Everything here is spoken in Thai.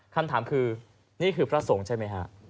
คำถามคือนี่คือพระสงฆ์ใช่ไหมฮะ